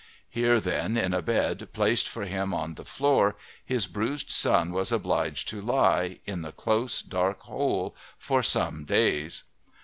Here, then, in a bed placed for him on the floor, his bruised son was obliged to lie, in the close, dark hole, for some days.